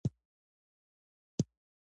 د هرات په اوبې کې د سمنټو مواد شته.